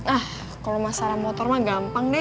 ah kalau masalah motor mah gampang deh